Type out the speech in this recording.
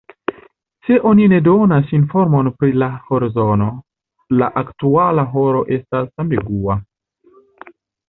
Se oni ne donas informon pri la horzono, la aktuala horo estas ambigua.